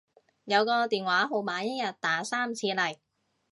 有個電話號碼一日打三次嚟